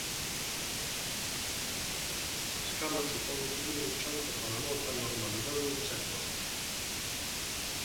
Esta escala supón o primeiro chanzo para a volta á normalidade do sector.